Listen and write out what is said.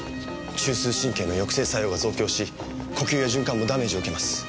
中枢神経の抑制作用が増強し呼吸や循環もダメージを受けます。